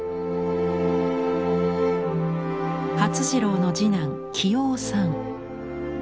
發次郎の次男清雄さん。